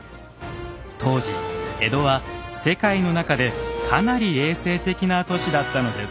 当時江戸は世界の中でかなり衛生的な都市だったのです。